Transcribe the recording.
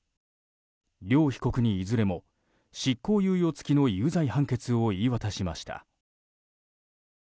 両被告にいずれも執行猶予付きの有罪判決を言い渡しました。